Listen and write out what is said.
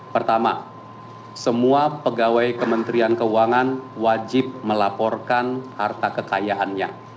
pertama semua pegawai kementerian keuangan wajib melaporkan harta kekayaannya